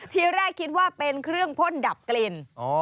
ทีแรกคิดว่าเป็นเครื่องพ่นดับกลิ่น